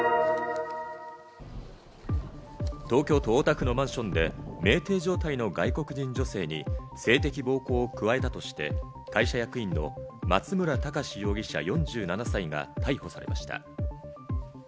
東京都大田区のマンションで酩酊状態の外国人女性に性的暴行を加えたとして、会社役員の松村隆史容疑者、４７歳が逮捕されました。